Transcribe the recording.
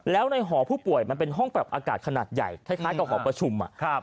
แล้วในหอผู้ป่วยมันเป็นห้องปรับอากาศขนาดใหญ่คล้ายกับหอประชุม